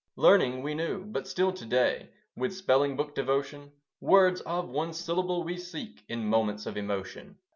Learning we knew; but still to day, With spelling book devotion, Words of one syllable we seek In moments of emotion.